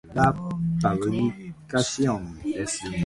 The Quorum disagreed and excommunicated him.